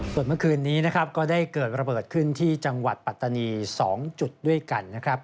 ส่วนเมื่อคืนนี้นะครับก็ได้เกิดระเบิดขึ้นที่จังหวัดปัตตานี๒จุดด้วยกันนะครับ